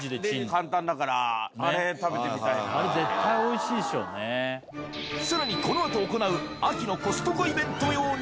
簡単だから、あれ、食べてみあれ、絶対おいしいでしょうさらに、このあと行う秋のコストコイベント用に。